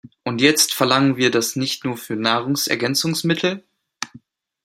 Und jetzt verlangen wir das nicht für Nahrungsergänzungsmittel?